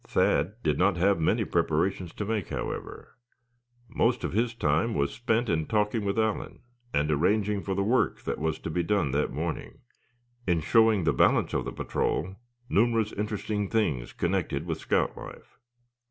Thad did not have many preparations to make, however. Most of his time was spent in talking with Allan, and arranging for the work that was to be done that morning, in showing the balance of the patrol numerous interesting things connected with scout life.